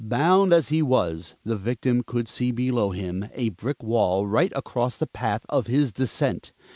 Bound as he was, the victim could see below him a brick wall right across the path of his descent.